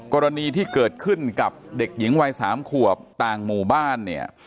กรณีที่เกิดขึ้นกับเด็กหญิงวัย๓ขวบต่างหมู่บ้านเนี่ย